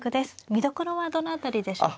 見どころはどの辺りでしょうか。